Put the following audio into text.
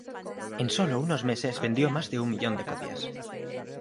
En sólo unos meses vendió más de un millón de copias.